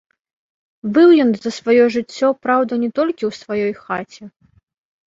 Быў ён за сваё жыццё, праўда, не толькі ў сваёй хаце.